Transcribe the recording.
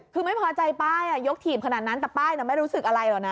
คือไม่พอใจป้ายยกถีบขนาดนั้นแต่ป้ายไม่รู้สึกอะไรหรอกนะ